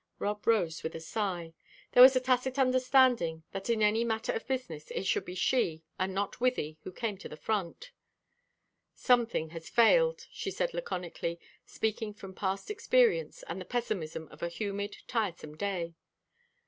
Rob arose with a sigh. There was a tacit understanding that in any matter of business it should be she, and not Wythie, who came to the front. "Something has failed," she said, laconically, speaking from past experience and the pessimism of a humid, tiresome day.